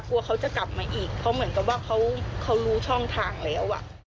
กลัวเขาจะกลับมาอีกเพราะเหมือนกับว่าเขารู้ช่องทางแล้ว